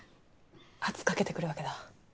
圧かけてくるわけだ。